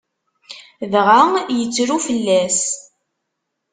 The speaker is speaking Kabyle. Dɣa yettru fell-as.